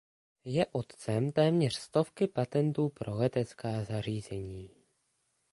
Je otcem téměř stovky patentů pro letecká zařízení.